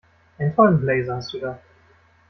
Einen tollen Blazer hast du da!